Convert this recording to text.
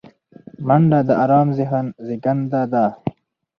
منډه د آرام ذهن زیږنده ده